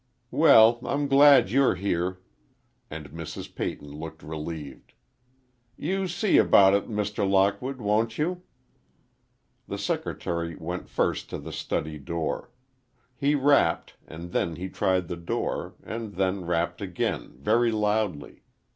"Well, I'm glad you're here." And Mrs. Peyton looked relieved. "You see about it, Mr. Lockwood, won't you?" The secretary went first to the study door. He rapped, and then he tried the door, and then rapped again, very loudly.